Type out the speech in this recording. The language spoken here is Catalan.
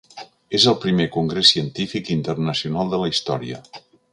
És el primer congrés científic internacional de la història.